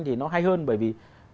thì nó hay hơn bởi vì